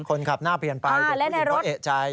คนขับหน้าเปลี่ยนไปเด็กผู้หญิงเขาเอกใจ